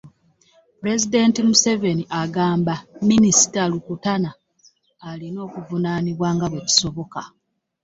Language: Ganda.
Pulezidenti Museveni agamba minisita Rukutana alina okuvunaanibwa nga bwe kisoboka